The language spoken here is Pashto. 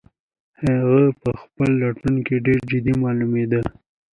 هغه په خپل لټون کې ډېر جدي معلومېده.